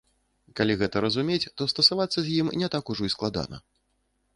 Калі гэта разумець, то стасавацца з ім не так ужо і складана.